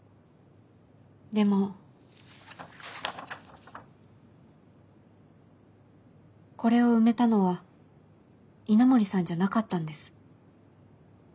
でもこれを埋めたのは稲森さんじゃなかったんです。